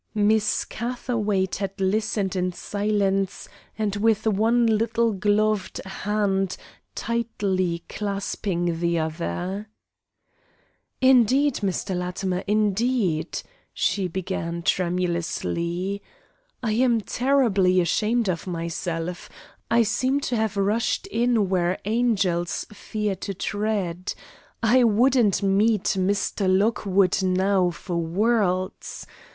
Miss Catherwaight had listened in silence and with one little gloved hand tightly clasping the other. "Indeed, Mr. Latimer, indeed," she began, tremulously, "I am terribly ashamed of myself. I seemed to have rushed in where angels fear to tread. I wouldn't meet Mr. Lockwood now for worlds.